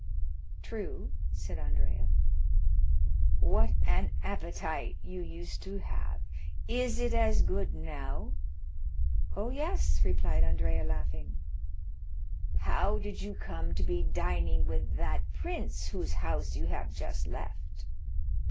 "True," said Andrea. "What an appetite you used to have! Is it as good now?" "Oh, yes," replied Andrea, laughing. "How did you come to be dining with that prince whose house you have just left?"